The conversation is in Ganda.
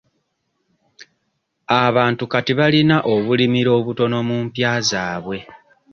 Abantu kati balina obulimiro obutono mu nzigya zaabwe.